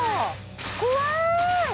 怖い！